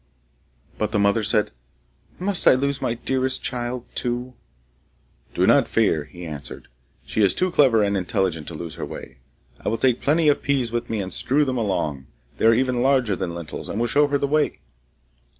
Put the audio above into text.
But the mother said, 'Must I lose my dearest child too?' 'Do not fear,' he answered; 'she is too clever and intelligent to lose her way. I will take plenty of peas with me and strew them along; they are even larger than lentils, and will show her the way.